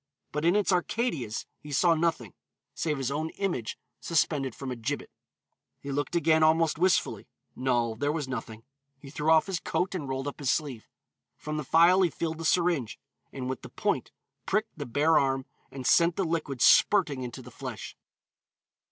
But in its Arcadias he saw nothing, save his own image suspended from a gibbet. He looked again almost wistfully; no, there was nothing. He threw off his coat and rolled up his sleeve. From the phial he filled the syringe, and with the point pricked the bare arm and sent the liquid spurting into the flesh.